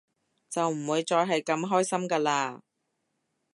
就唔會再係咁開心㗎喇